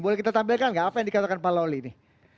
boleh kita tampilkan nggak apa yang dikatakan pak lawli ini